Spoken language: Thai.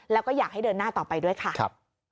แล้วก็อยากให้เดินหน้าต่อไปด้วยค่ะ